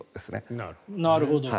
なるほど。